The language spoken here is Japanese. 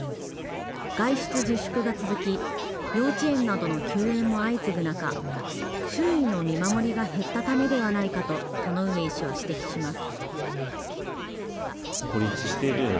外出自粛が続き幼稚園などの休園も相次ぐ中、周囲の見守りが減ったためではないかと田上医師は指摘します。